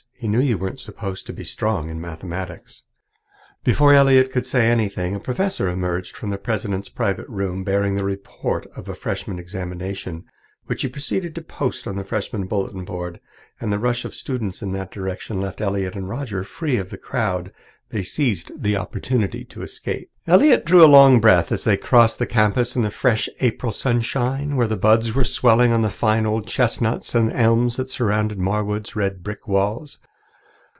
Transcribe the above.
He knew you weren't supposed to be strong in mathematics." Before Elliott could say anything, a professor emerged from the president's private room, bearing the report of a Freshman examination, which he proceeded to post on the Freshman bulletin board, and the rush of the students in that direction left Elliott and Roger free of the crowd. They seized the opportunity to escape. Elliott drew a long breath as they crossed the campus in the fresh April sunshine, where the buds were swelling on the fine old chestnuts and elms that surrounded Marwood's red brick walls.